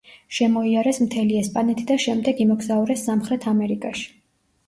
შემოიარეს მთელი ესპანეთი და შემდეგ იმოგზაურეს სამხრეთ ამერიკაში.